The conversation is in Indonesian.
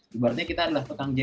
berarti kita adalah petang jahat